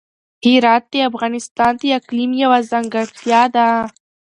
هرات د افغانستان د اقلیم یوه ځانګړتیا ده.